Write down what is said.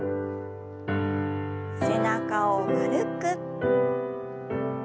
背中を丸く。